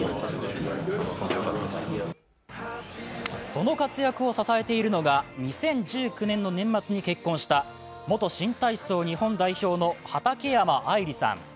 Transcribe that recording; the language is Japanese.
その活躍を支えているのが２０１９年の年末に結婚した元新体操日本代表の畠山愛理さん。